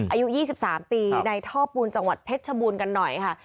อายุ๒๓ปีในท่อปูนจังหวัดเพชรชบูรณ์กันหน่อยค่ะ